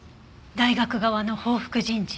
大学側の報復人事？